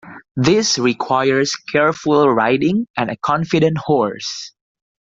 This requires careful riding and a confident horse.